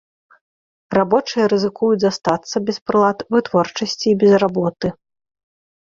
Рабочыя рызыкуюць застацца без прылад вытворчасці і без работы.